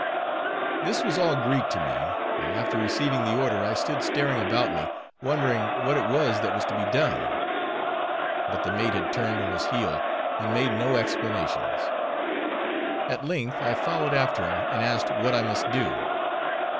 This was all Greek to me, and after receiving the order, I stood staring about me, wondering what it was that was to be done. But the mate had turned on his heel, and made no explanations. At length I followed after him, and asked what I must do.